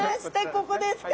ここですか。